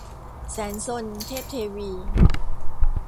แสนซน - เทพเทวี